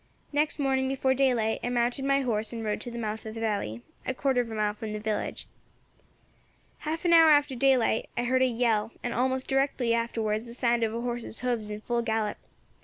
Next morning, before daylight, I mounted my horse and rode to the mouth of the valley, a quarter of a mile from the village. "Half an hour after daylight I heard a yell, and almost directly afterwards the sounds of a horse's hoofs in full gallop.